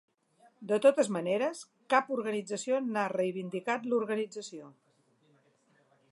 De totes maneres, cap organització n’ha reivindicat l’organització.